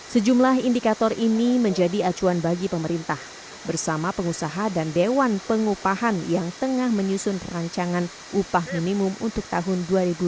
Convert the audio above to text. sejumlah indikator ini menjadi acuan bagi pemerintah bersama pengusaha dan dewan pengupahan yang tengah menyusun rancangan upah minimum untuk tahun dua ribu dua puluh